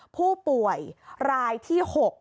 ผู้ป่วยรายที่๖